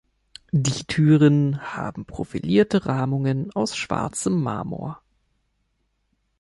Die Türen haben profilierte Rahmungen aus schwarzem Marmor.